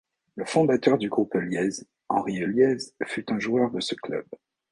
Le fondateur du groupe Heuliez, Henri Heuliez fut un joueur de ce club.